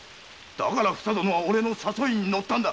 だからふさ殿はオレの誘いに乗ったんだ。